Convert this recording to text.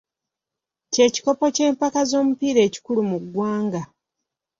Kye kikopo ky'empaka z'omupiira ekikulu mu ggwanga.